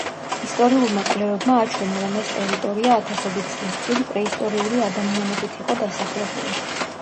ისტორიულმა კვლევებმა აჩვენა, რომ ეს ტერიტორია ათასობით წლის წინ, პრეისტორიული ადამიანებით იყო დასახლებული.